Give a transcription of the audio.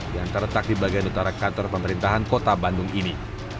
yang terletak di bagian utara kantor pemerintahan kota bandung ini